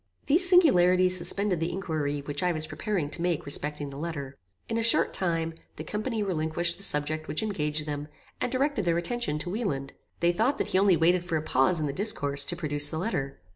These singularities suspended the inquiry which I was preparing to make respecting the letter. In a short time, the company relinquished the subject which engaged them, and directed their attention to Wieland. They thought that he only waited for a pause in the discourse, to produce the letter.